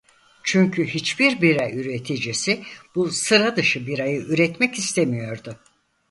Çünkü hiçbir bira üreticisi bu sıra dışı birayı üretmek istemiyordu.